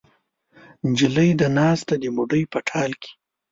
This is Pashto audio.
نجلۍ ده ناسته د بوډۍ په ټال کې